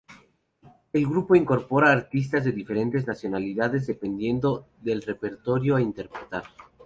El grupo incorpora artistas de diferentes nacionalidades dependiendo del repertorio a interpretar.